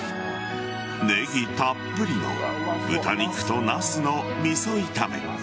ネギたっぷりの豚肉と茄子の味噌炒め。